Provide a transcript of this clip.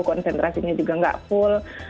konsentrasinya juga tidak full